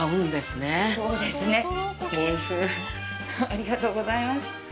ありがとうございます。